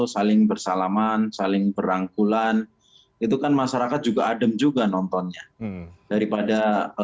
saling bersalaman saling berangkulan itu kan masyarakat juga adem juga nontonnya daripada